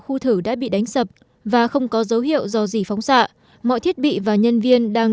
khu thử đã bị đánh sập và không có dấu hiệu do gì phóng xạ mọi thiết bị và nhân viên đang